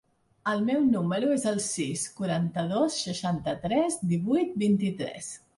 El meu número es el sis, quaranta-dos, seixanta-tres, divuit, vint-i-tres.